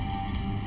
ini sudah terkunci